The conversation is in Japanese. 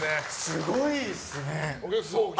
すごいっすね。